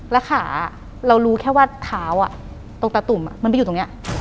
แล้วขาเรารู้แค่ว่าเท้าตรงตาตุ่มมันไปอยู่ตรงนี้